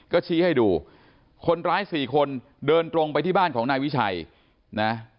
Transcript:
ก็ชี้ให้ดูคนร้ายสี่คนเดินตรงไปที่บ้านของนายวิชัยนะ